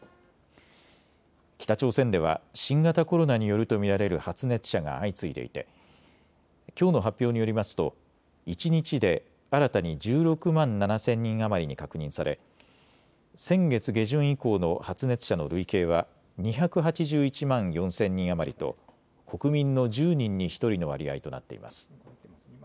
北朝鮮では新型コロナによると見られる発熱者が相次いでいてきょうの発表によりますと一日で新たに１６万７０００人余りに確認され先月下旬以降の発熱者の累計は２８１万４０００人余りと国民の１０人に１人の割合となっています。